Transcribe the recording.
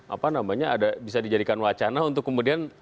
apa namanya ada bisa dijadikan wacana untuk kemudian